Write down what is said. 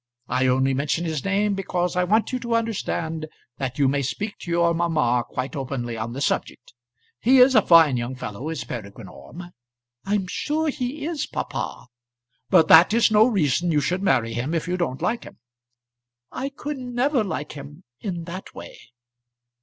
I only mention his name because I want you to understand that you may speak to your mamma quite openly on the subject. He is a fine young fellow, is Peregrine Orme." "I'm sure he is, papa." "But that is no reason you should marry him if you don't like him." "I could never like him, in that way."